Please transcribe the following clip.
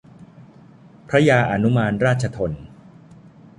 พระยาอนุมานราชธน